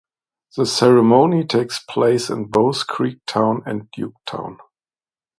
The ceremony takes place in both Creek Town and Duke Town.